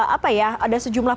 apa ya ada sejumlah